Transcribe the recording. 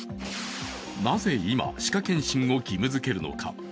なぜ今、歯科検診を義務づけるのか